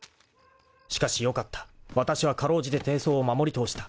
［しかしよかったわたしは辛うじて貞操を守り通した］